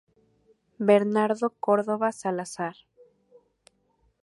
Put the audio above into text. Bernardo Córdova Salazar.